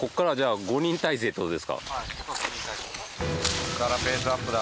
ここからペースアップだ。